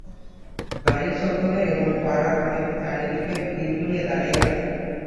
বাড়ির সকলে এবং পাড়ার অনেকে চারিদিকে ভিড় করিয়া দাড়াইয়া আছে।